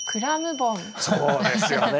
そうですよね。